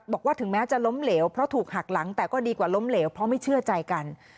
บอกว่าถึงแม้จะล้มเหลวเพราะถูกหักหลังแต่ก็ดีกว่าล้มเหลวเพราะไม่เชื่อใจกัน